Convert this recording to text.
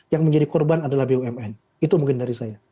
yang menjadi korban adalah bumn itu mungkin dari saya